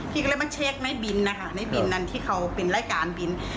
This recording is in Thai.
พี่ก็เลยมาเช็คในบินนะคะในบินนั้นที่เขาเป็นรายการบิน